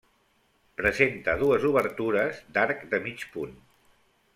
Presenta dues obertures d'arc de mig punt.